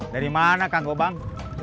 dari mana kangkobang